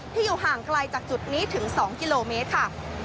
อยู่ห่างไกลจากจุดนี้ถึง๒กิโลเมตรค่ะ